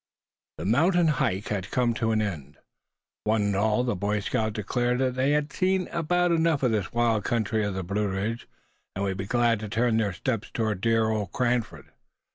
THE mountain hike had come to an end. One and all, the Boy Scouts declared that they had seen about enough of this wild country of the Blue Ridge, and would be glad to turn their steps toward dear old Cranford.